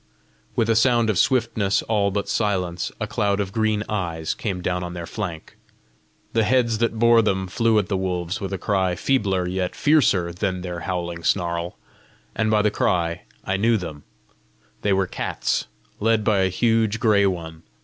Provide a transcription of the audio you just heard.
With a sound of swiftness all but silence, a cloud of green eyes came down on their flank. The heads that bore them flew at the wolves with a cry feebler yet fiercer than their howling snarl, and by the cry I knew them: they were cats, led by a huge gray one.